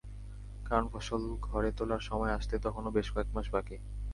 কারণ, ফসল ঘরে তোলার সময় আসতে তখনো বেশ কয়েক মাস বাকি।